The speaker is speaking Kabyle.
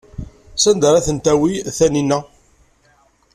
Sanda ara ten-tawi Taninna?